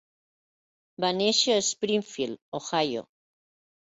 Va néixer a Springfield, Ohio.